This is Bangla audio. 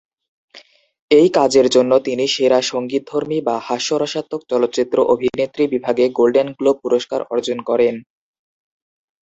এই কাজের জন্য তিনি সেরা সঙ্গীতধর্মী বা হাস্যরসাত্মক চলচ্চিত্র অভিনেত্রী বিভাগে গোল্ডেন গ্লোব পুরস্কার অর্জন করেন।